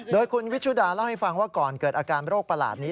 โดยคุณวิชุดาเล่าให้ฟังว่าก่อนเกิดอาการโรคประหลาดนี้